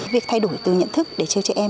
việc thay đổi từ nhận thức để chơi trẻ em